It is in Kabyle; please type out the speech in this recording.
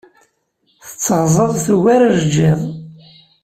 Tetteɣzaẓ tugar ajeǧǧiḍ.